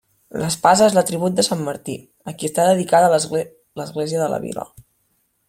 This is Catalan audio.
L'espasa és l'atribut de sant Martí, a qui està dedicada l'església de la vila.